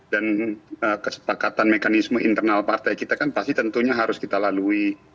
dan kesepakatan mekanisme internal partai kita kan pasti tentunya harus kita lalui